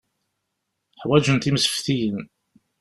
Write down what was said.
Ḥwaǧent imseftiyen.